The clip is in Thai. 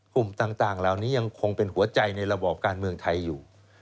กลุ่มต่างเหล่านี้ยังคงเป็นหัวใจในระบอบการเมืองไทยอยู่